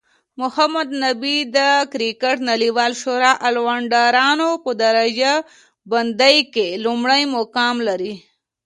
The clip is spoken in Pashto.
محمد نبي د کرکټ نړیوالی شورا الرونډرانو په درجه بندۍ کې لومړی مقام لري